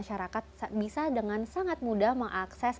sebagai tambahan mungkin zaman sekarang udah eranya digital ya